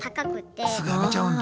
すぐ辞めちゃうんだ。